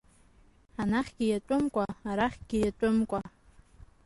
Анахьгьы иатәымкәа, арахьгьы иатәымкәа…